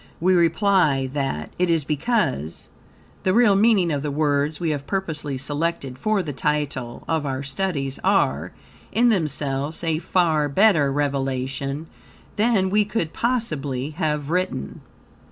We reply that, it is because, the real meaning of the words we have purposely selected for the title of our studies are, in themselves, a far better revelation than we could possibly have written.